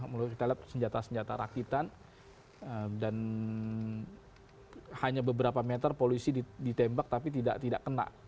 mulai kita lihat senjata senjata rakitan dan hanya beberapa meter polisi ditembak tapi tidak kena